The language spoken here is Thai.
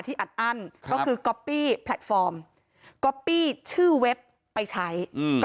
ที่อัดอั้นก็คือก็คือก็ปปี้แพลตฟอร์มก็ปปี้ชื่อเว็บไปใช้อืม